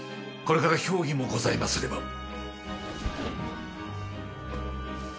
これから評議もございますれば。